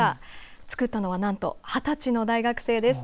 作ったのは何と２０歳の大学生です。